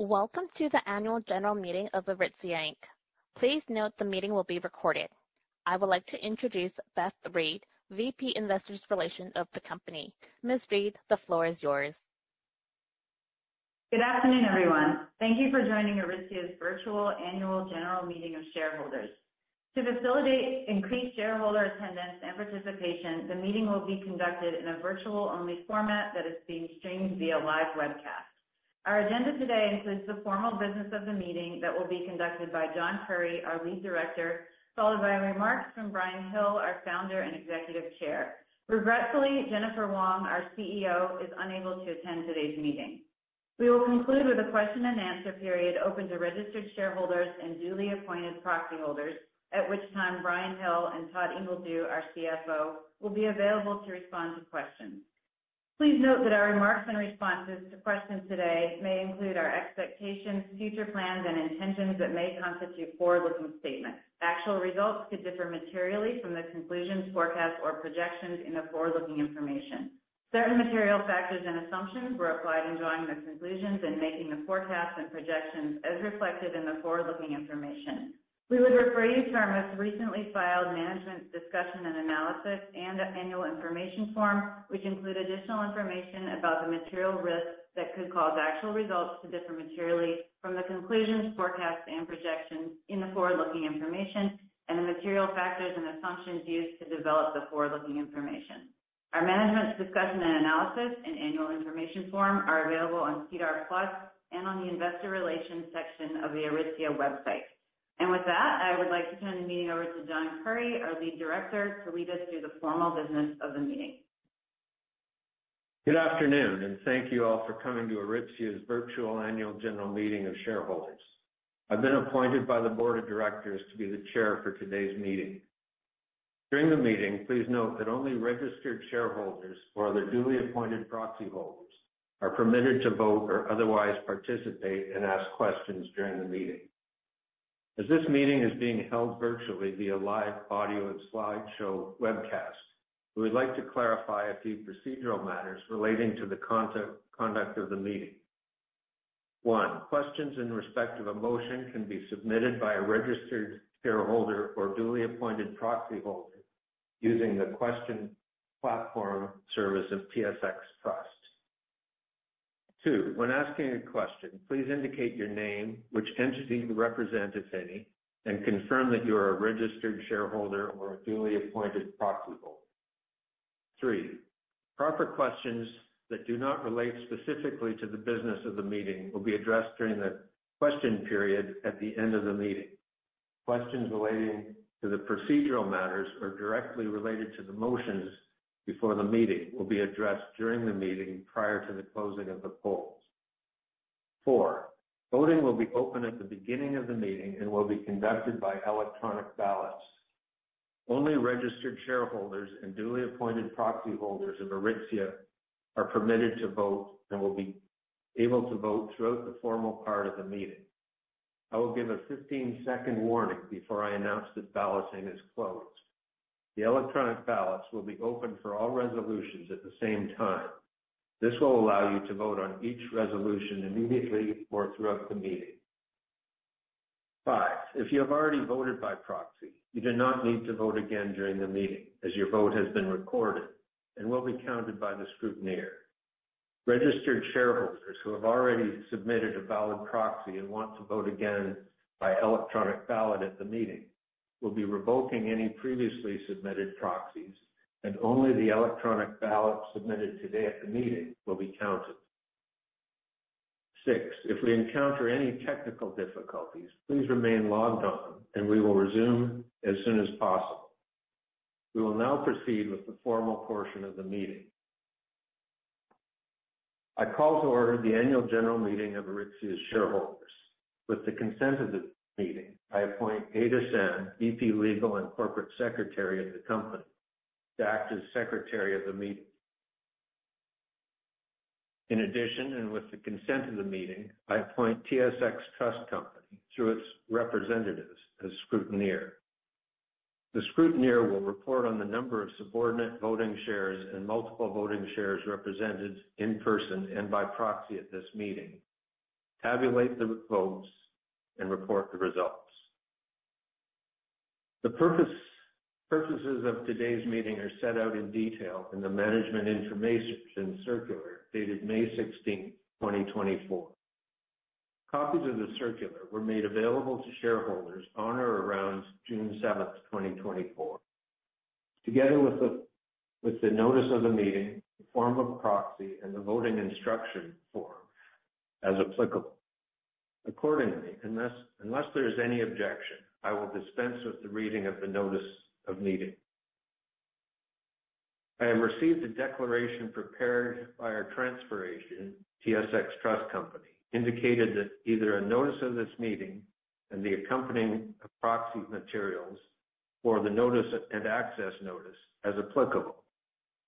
Welcome to the Annual General Meeting of Aritzia Inc. Please note the meeting will be recorded. I would like to introduce Beth Reed, VP, Investor Relations of the company. Ms. Reed, the floor is yours. Good afternoon, everyone. Thank you for joining Aritzia's virtual annual general meeting of shareholders. To facilitate increased shareholder attendance and participation, the meeting will be conducted in a virtual-only format that is being streamed via live webcast. Our agenda today includes the formal business of the meeting that will be conducted by John Curry, our Lead Director, followed by remarks from Brian Hill, our Founder and Executive Chair. Regretfully, Jennifer Wong, our CEO, is unable to attend today's meeting. We will conclude with a question-and-answer period open to registered shareholders and duly appointed proxy holders, at which time Brian Hill and Todd Ingledew, our CFO, will be available to respond to questions. Please note that our remarks and responses to questions today may include our expectations, future plans, and intentions that may constitute forward-looking statements. Actual results could differ materially from the conclusions, forecasts, or projections in the forward-looking information. Certain material factors and assumptions were applied in drawing the conclusions and making the forecasts and projections as reflected in the forward-looking information. We would refer you to our most recently filed Management’s Discussion and Analysis and Annual Information Form, which include additional information about the material risks that could cause actual results to differ materially from the conclusions, forecasts, and projections in the forward-looking information and the material factors and assumptions used to develop the forward-looking information. Our Management’s Discussion and Analysis and Annual Information Form are available on SEDAR+ and on the investor relations section of the Aritzia website. With that, I would like to turn the meeting over to John Curry, our Lead Director, to lead us through the formal business of the meeting. Good afternoon, and thank you all for coming to Aritzia's virtual annual general meeting of shareholders. I've been appointed by the Board of Directors to be the chair for today's meeting. During the meeting, please note that only registered shareholders or their duly appointed proxy holders are permitted to vote or otherwise participate and ask questions during the meeting. As this meeting is being held virtually via live audio and slideshow webcast, we would like to clarify a few procedural matters relating to the conduct of the meeting. One, questions in respect of a motion can be submitted by a registered shareholder or duly appointed proxy holder using the question platform service of TSX Trust. Two, when asking a question, please indicate your name, which entity you represent, if any, and confirm that you are a registered shareholder or a duly appointed proxy holder. Three, proper questions that do not relate specifically to the business of the meeting will be addressed during the question period at the end of the meeting. Questions relating to the procedural matters or directly related to the motions before the meeting will be addressed during the meeting prior to the closing of the polls. Four, voting will be open at the beginning of the meeting and will be conducted by electronic ballots. Only registered shareholders and duly appointed proxy holders of Aritzia are permitted to vote and will be able to vote throughout the formal part of the meeting. I will give a 15-second warning before I announce that balloting is closed. The electronic ballots will be open for all resolutions at the same time. This will allow you to vote on each resolution immediately or throughout the meeting. 5, if you have already voted by proxy, you do not need to vote again during the meeting, as your vote has been recorded and will be counted by the scrutineer. Registered shareholders who have already submitted a valid proxy and want to vote again by electronic ballot at the meeting will be revoking any previously submitted proxies, and only the electronic ballot submitted today at the meeting will be counted. 6, if we encounter any technical difficulties, please remain logged on, and we will resume as soon as possible. We will now proceed with the formal portion of the meeting. I call to order the Annual General Meeting of Aritzia's shareholders. With the consent of the meeting, I appoint Ada San, VP, Legal and Corporate Secretary of the company, to act as Secretary of the meeting. In addition, and with the consent of the meeting, I appoint TSX Trust Company, through its representatives, as scrutineer. The scrutineer will report on the number of subordinate voting shares and multiple voting shares represented in person and by proxy at this meeting, tabulate the votes, and report the results. The purposes of today's meeting are set out in detail in the management information circular dated May 16, 2024. Copies of the circular were made available to shareholders on or around June 7, 2024, together with the notice of the meeting, the form of proxy, and the voting instruction form, as applicable. Accordingly, unless there is any objection, I will dispense with the reading of the notice of meeting. I have received a declaration prepared by our transfer agent, TSX Trust Company, indicating that either a notice of this meeting and the accompanying proxy materials or the notice and access notice, as applicable,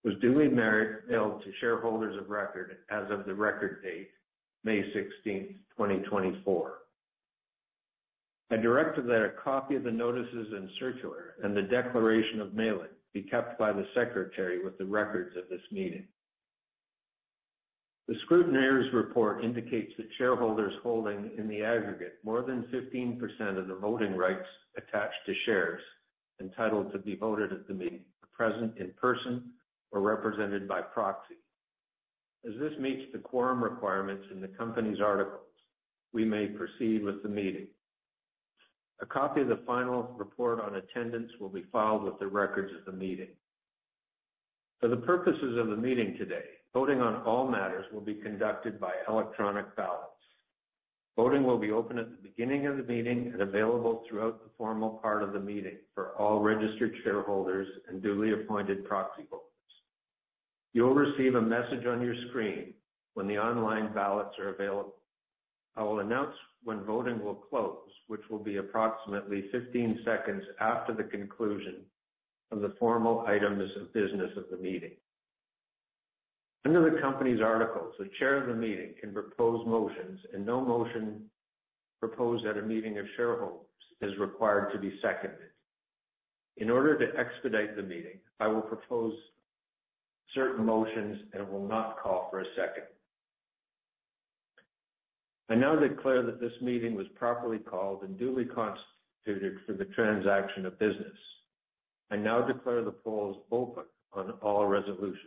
was duly mailed to shareholders of record as of the record date, May 16, 2024. I direct that a copy of the notices and circular, and the declaration of mailing, be kept by the secretary with the records of this meeting. The scrutineer's report indicates that shareholders holding in the aggregate more than 15% of the voting rights attached to shares entitled to be voted at the meeting are present in person or represented by proxy. As this meets the quorum requirements in the company's articles, we may proceed with the meeting. A copy of the final report on attendance will be filed with the records of the meeting. For the purposes of the meeting today, voting on all matters will be conducted by electronic ballots. Voting will be open at the beginning of the meeting and available throughout the formal part of the meeting for all registered shareholders and duly appointed proxy voters. You will receive a message on your screen when the online ballots are available. I will announce when voting will close, which will be approximately 15 seconds after the conclusion of the formal items of business of the meeting. Under the company's articles, the chair of the meeting can propose motions, and no motion proposed at a meeting of shareholders is required to be seconded. In order to expedite the meeting, I will propose certain motions and will not call for a second. I now declare that this meeting was properly called and duly constituted for the transaction of business. I now declare the polls open on all resolutions.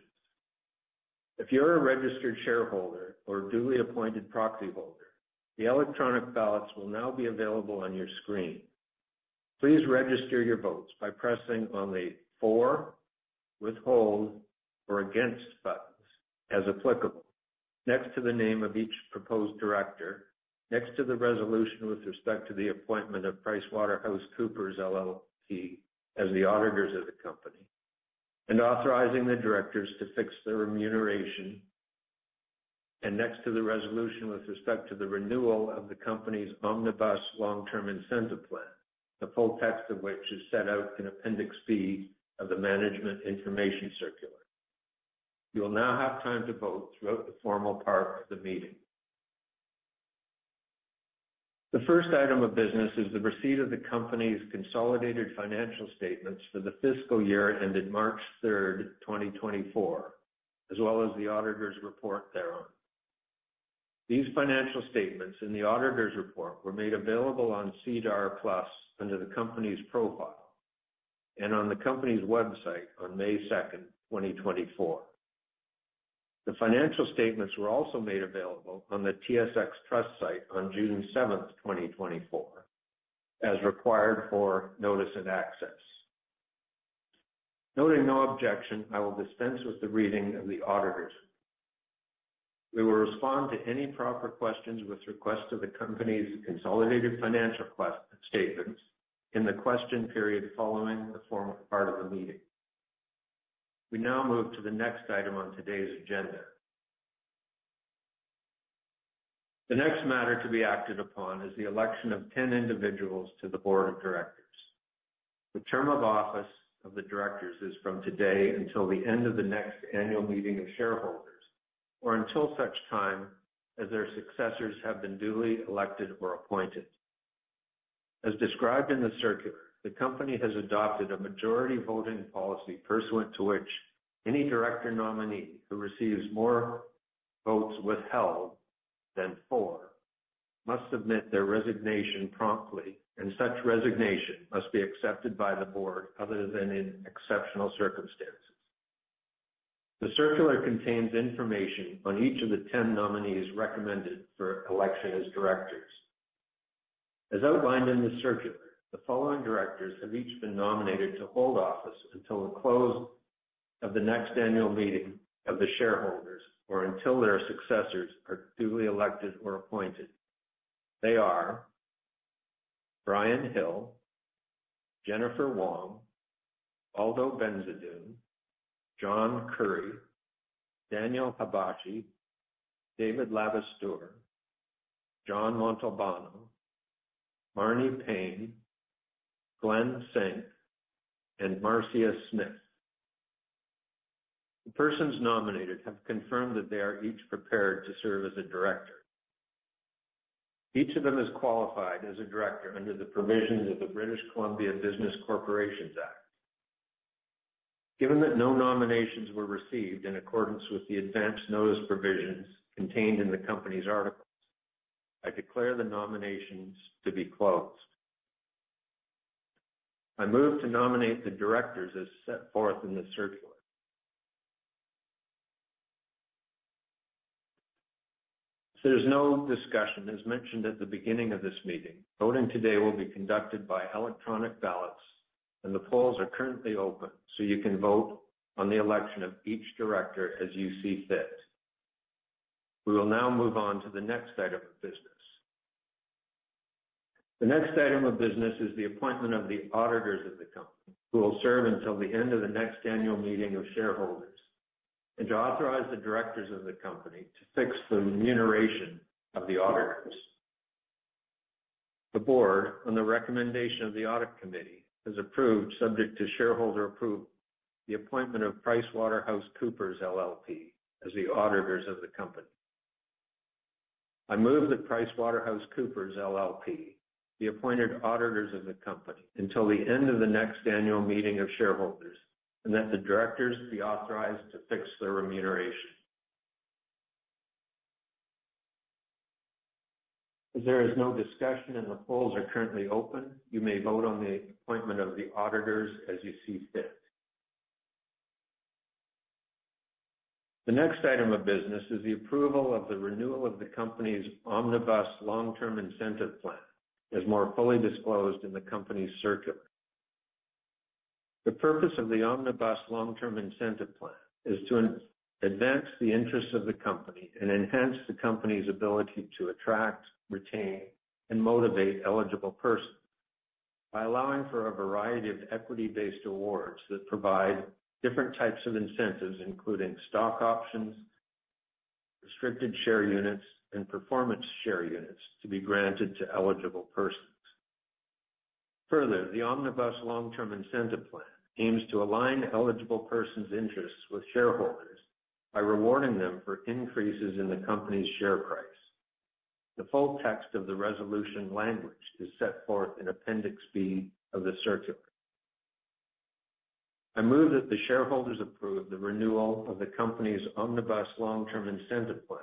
If you're a registered shareholder or a duly appointed proxy holder, the electronic ballots will now be available on your screen. Please register your votes by pressing on the for, withhold, or against buttons, as applicable, next to the name of each proposed director, next to the resolution with respect to the appointment of PricewaterhouseCoopers LLP as the auditors of the company, and authorizing the directors to fix their remuneration, and next to the resolution with respect to the renewal of the company's Omnibus Long-Term Incentive Plan, the full text of which is set out in Appendix C of the management information circular. You will now have time to vote throughout the formal part of the meeting. The first item of business is the receipt of the company's consolidated financial statements for the fiscal year ended March 3, 2024, as well as the auditor's report thereon. These financial statements and the auditor's report were made available on SEDAR+ under the company's profile and on the company's website on May 2, 2024. The financial statements were also made available on the TSX Trust site on June 7, 2024, as required for notice and access. Noting no objection, I will dispense with the reading of the auditors. We will respond to any proper questions with respect to the company's consolidated financial statements in the question period following the formal part of the meeting. We now move to the next item on today's agenda. The next matter to be acted upon is the election of 10 individuals to the board of directors. The term of office of the directors is from today until the end of the next annual meeting of shareholders, or until such time as their successors have been duly elected or appointed. As described in the circular, the company has adopted a majority voting policy, pursuant to which any director nominee who receives more votes withheld than for, must submit their resignation promptly, and such resignation must be accepted by the board, other than in exceptional circumstances. The circular contains information on each of the 10 nominees recommended for election as directors. As outlined in the circular, the following directors have each been nominated to hold office until the close of the next annual meeting of the shareholders, or until their successors are duly elected or appointed. They are: Brian Hill, Jennifer Wong, Aldo Bensadoun, John Currie, Daniel Habashi, David Labistour, John Montalbano, Marnie Payne, Glenn Murphy, and Marcia Smith. The persons nominated have confirmed that they are each prepared to serve as a director. Each of them is qualified as a director under the provisions of the British Columbia Business Corporations Act. Given that no nominations were received in accordance with the advance notice provisions contained in the company's articles, I declare the nominations to be closed. I move to nominate the directors as set forth in the circular. So there's no discussion. As mentioned at the beginning of this meeting, voting today will be conducted by electronic ballots, and the polls are currently open, so you can vote on the election of each director as you see fit. We will now move on to the next item of business. The next item of business is the appointment of the auditors of the company, who will serve until the end of the next annual meeting of shareholders, and to authorize the directors of the company to fix the remuneration of the auditors. The board, on the recommendation of the audit committee, has approved, subject to shareholder approval, the appointment of PricewaterhouseCoopers LLP as the auditors of the company. I move that PricewaterhouseCoopers LLP be appointed auditors of the company until the end of the next annual meeting of shareholders, and that the directors be authorized to fix their remuneration. As there is no discussion and the polls are currently open, you may vote on the appointment of the auditors as you see fit. The next item of business is the approval of the renewal of the company's Omnibus Long-Term Incentive Plan, as more fully disclosed in the company's circular. The purpose of the Omnibus Long-Term Incentive Plan is to advance the interests of the company and enhance the company's ability to attract, retain, and motivate eligible persons by allowing for a variety of equity-based awards that provide different types of incentives, including stock options, restricted share units, and performance share units to be granted to eligible persons. Further, the Omnibus Long-Term Incentive Plan aims to align eligible persons' interests with shareholders by rewarding them for increases in the company's share price. The full text of the resolution language is set forth in Appendix B of the circular. I move that the shareholders approve the renewal of the company's Omnibus Long-Term Incentive Plan,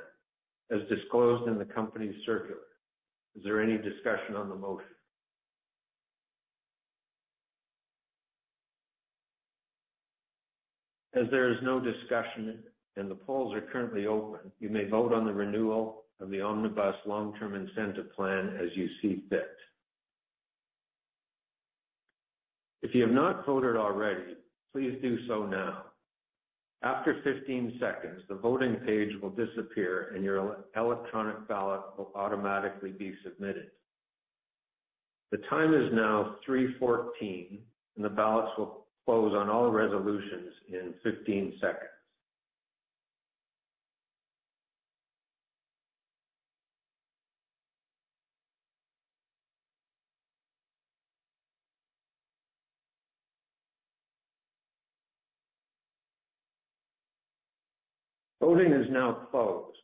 as disclosed in the company's circular. Is there any discussion on the motion? As there is no discussion and the polls are currently open, you may vote on the renewal of the Omnibus Long-Term Incentive Plan as you see fit. If you have not voted already, please do so now. After 15 seconds, the voting page will disappear, and your electronic ballot will automatically be submitted. The time is now 3:14, and the ballots will close on all resolutions in 15 seconds. Voting is now closed.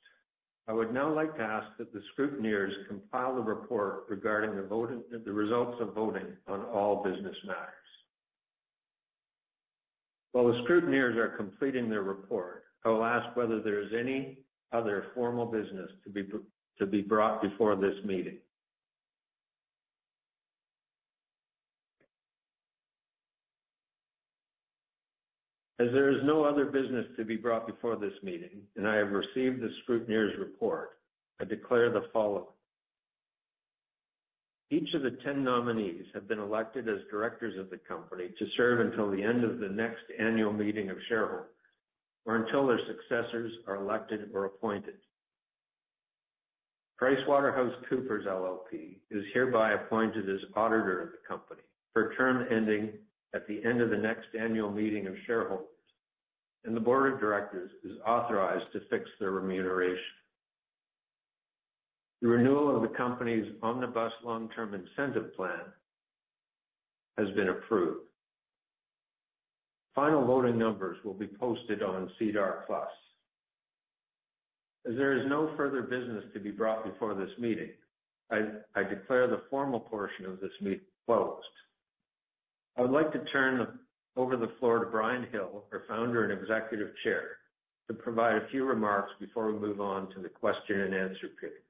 I would now like to ask that the scrutineers compile a report regarding the results of voting on all business matters. While the scrutineers are completing their report, I will ask whether there is any other formal business to be brought before this meeting? As there is no other business to be brought before this meeting, and I have received the scrutineers' report, I declare the following: Each of the 10 nominees have been elected as directors of the company to serve until the end of the next annual meeting of shareholders or until their successors are elected or appointed. PricewaterhouseCoopers LLP is hereby appointed as auditor of the company for a term ending at the end of the next annual meeting of shareholders, and the board of directors is authorized to fix their remuneration. The renewal of the company's Omnibus Long-Term Incentive Plan has been approved. Final voting numbers will be posted on SEDAR+. As there is no further business to be brought before this meeting, I declare the formal portion of this meeting closed. I would like to turn over the floor to Brian Hill, our Founder and Executive Chair, to provide a few remarks before we move on to the question and answer period.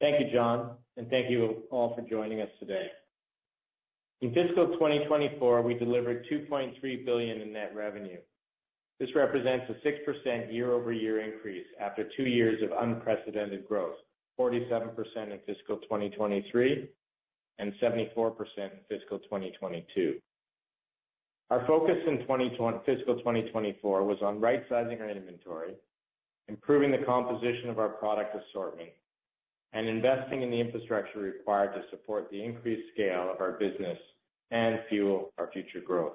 Thank you, John, and thank you all for joining us today. In fiscal 2024, we delivered 2.3 billion in net revenue. This represents a 6% year-over-year increase after two years of unprecedented growth, 47% in fiscal 2023 and 74% in fiscal 2022. Our focus in fiscal 2024 was on right-sizing our inventory, improving the composition of our product assortment, and investing in the infrastructure required to support the increased scale of our business and fuel our future growth.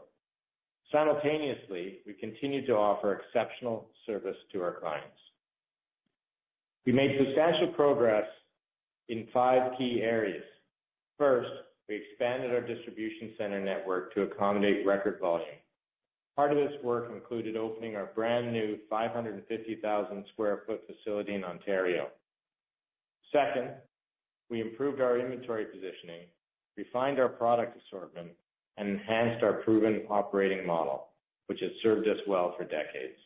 Simultaneously, we continued to offer exceptional service to our clients. We made substantial progress in five key areas. First, we expanded our distribution center network to accommodate record volume. Part of this work included opening our brand-new 550,000 sq ft facility in Ontario. Second, we improved our inventory positioning, refined our product assortment, and enhanced our proven operating model, which has served us well for decades.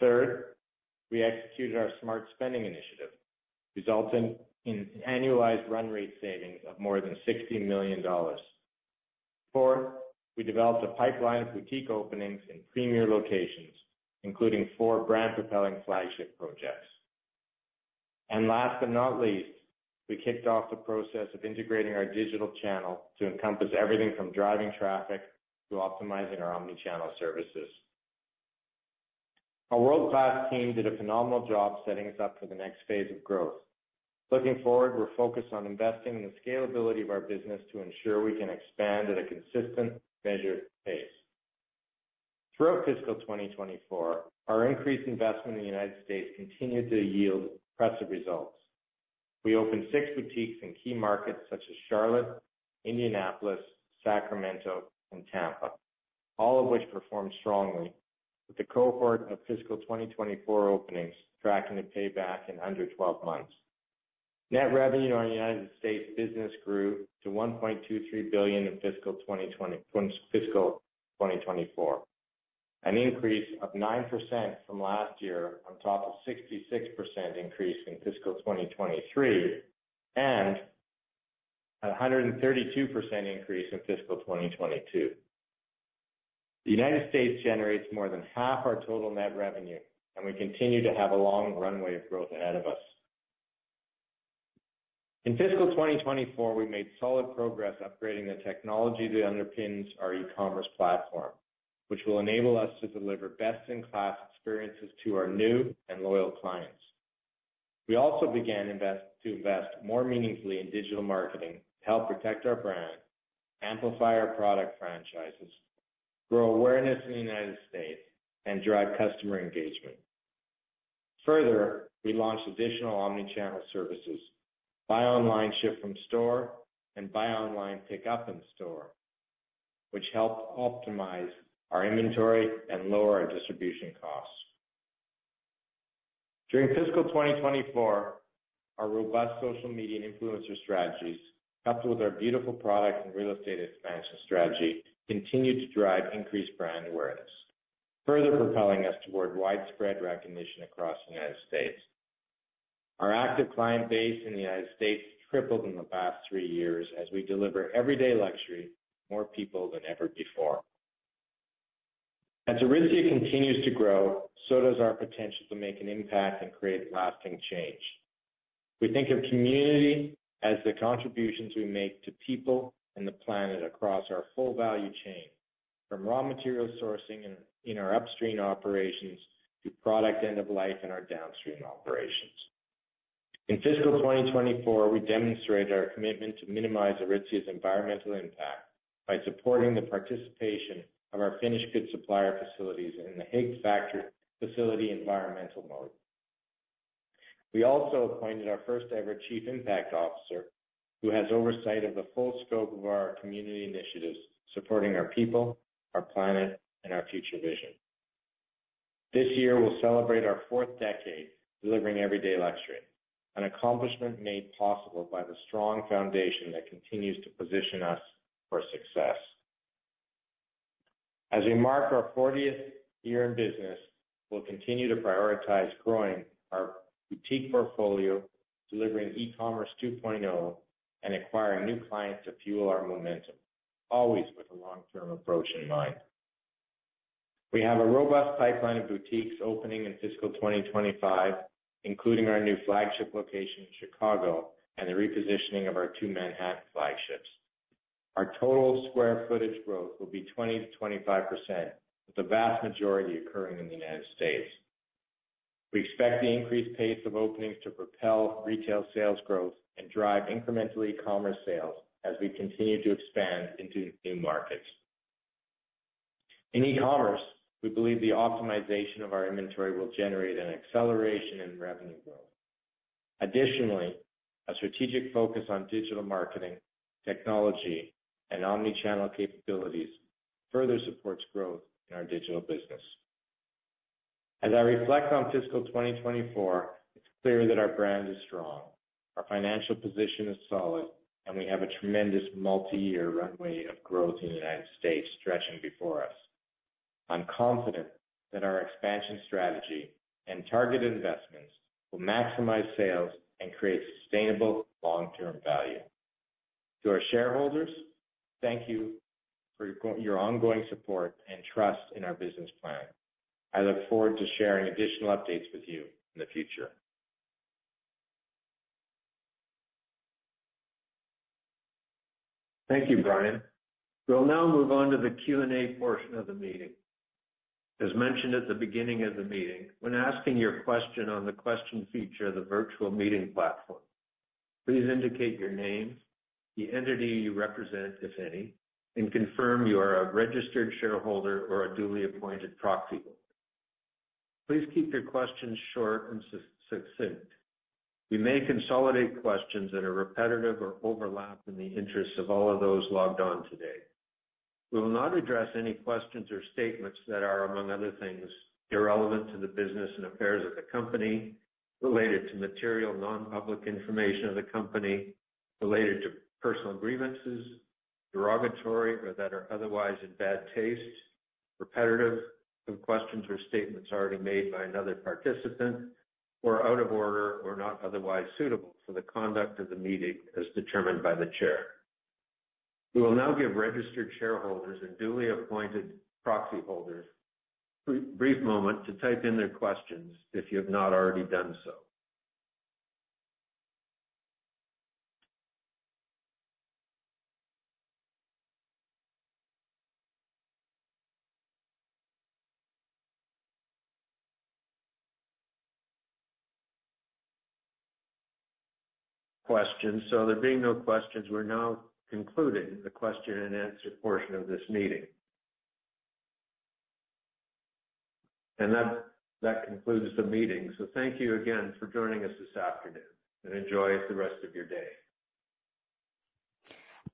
Third, we executed our smart spending initiative, resulting in annualized run-rate savings of more than 60 million dollars. Fourth, we developed a pipeline of boutique openings in premier locations, including 4 brand-propelling flagship projects. And last but not least, we kicked off the process of integrating our digital channel to encompass everything from driving traffic to optimizing our omnichannel services. Our world-class team did a phenomenal job setting us up for the next phase of growth. Looking forward, we're focused on investing in the scalability of our business to ensure we can expand at a consistent, measured pace. Throughout fiscal 2024, our increased investment in the United States continued to yield impressive results. We opened 6 boutiques in key markets such as Charlotte, Indianapolis, Sacramento and Tampa, all of which performed strongly, with a cohort of fiscal 2024 openings tracking to pay back in under 12 months. Net revenue on United States business grew to 1.23 billion in fiscal 2024, an increase of 9% from last year, on top of 66% increase in fiscal 2023, and a 132% increase in fiscal 2022. The United States generates more than half our total net revenue, and we continue to have a long runway of growth ahead of us. In fiscal 2024, we made solid progress upgrading the technology that underpins our e-commerce platform, which will enable us to deliver best-in-class experiences to our new and loyal clients. We also began to invest more meaningfully in digital marketing to help protect our brand, amplify our product franchises, grow awareness in the United States, and drive customer engagement. Further, we launched additional omni-channel services, buy online, ship from store, and buy online, pick up in store, which helped optimize our inventory and lower our distribution costs. During fiscal 2024, our robust social media and influencer strategies, coupled with our beautiful product and real estate expansion strategy, continued to drive increased brand awareness, further propelling us toward widespread recognition across the United States. Our active client base in the United States tripled in the past three years as we deliver everyday luxury to more people than ever before. As Aritzia continues to grow, so does our potential to make an impact and create lasting change. We think of community as the contributions we make to people and the planet across our full value chain, from raw material sourcing in our upstream operations to product end of life in our downstream operations. In fiscal 2024, we demonstrated our commitment to minimize Aritzia's environmental impact by supporting the participation of our finished goods supplier facilities in the Higg Facility Environmental Module. We also appointed our first-ever Chief Impact Officer, who has oversight of the full scope of our community initiatives, supporting our people, our planet, and our future vision. This year, we'll celebrate our fourth decade delivering everyday luxury, an accomplishment made possible by the strong foundation that continues to position us for success. As we mark our fortieth year in business, we'll continue to prioritize growing our boutique portfolio, delivering e-commerce 2.0, and acquiring new clients to fuel our momentum, always with a long-term approach in mind. We have a robust pipeline of boutiques opening in fiscal 2025, including our new flagship location in Chicago and the repositioning of our two Manhattan flagships. Our total square footage growth will be 20%-25%, with the vast majority occurring in the United States. We expect the increased pace of openings to propel retail sales growth and drive incremental e-commerce sales as we continue to expand into new markets. In e-commerce, we believe the optimization of our inventory will generate an acceleration in revenue growth. Additionally, a strategic focus on digital marketing, technology, and omni-channel capabilities further supports growth in our digital business. As I reflect on fiscal 2024, it's clear that our brand is strong, our financial position is solid, and we have a tremendous multi-year runway of growth in the United States stretching before us. I'm confident that our expansion strategy and targeted investments will maximize sales and create sustainable long-term value. To our shareholders, thank you for your ongoing support and trust in our business plan. I look forward to sharing additional updates with you in the future. Thank you, Brian. We'll now move on to the Q&A portion of the meeting. As mentioned at the beginning of the meeting, when asking your question on the question feature of the virtual meeting platform, please indicate your name, the entity you represent, if any, and confirm you are a registered shareholder or a duly appointed proxy holder. Please keep your questions short and succinct. We may consolidate questions that are repetitive or overlap in the interests of all of those logged on today. We will not address any questions or statements that are, among other things, irrelevant to the business and affairs of the company, related to material non-public information of the company, related to personal grievances, derogatory, or that are otherwise in bad taste, repetitive of questions or statements already made by another participant, or out of order, or not otherwise suitable for the conduct of the meeting as determined by the Chair. We will now give registered shareholders and duly appointed proxy holders a brief moment to type in their questions, if you have not already done so. Questions. So there being no questions, we're now concluding the question-and-answer portion of this meeting. And that, that concludes the meeting. Thank you again for joining us this afternoon, and enjoy the rest of your day.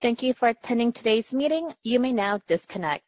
Thank you for attending today's meeting. You may now disconnect.